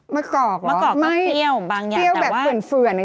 มะกอกก็เปรี้ยวบางอย่างแต่ว่า